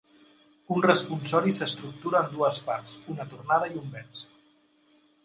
Un responsori s'estructura en dues parts: una tornada i un vers.